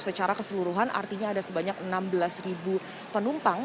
secara keseluruhan artinya ada sebanyak enam belas penumpang